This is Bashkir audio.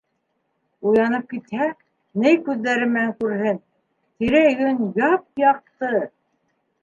Уянып китһә, ни күҙҙәре менән күрһен, тирә-йүн яп-яҡты!